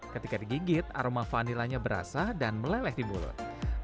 ketika digigit aroma vanilanya berasa dan meleleh di mulut